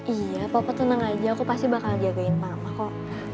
iya papa tenang aja aku pasti bakal jagain mama kok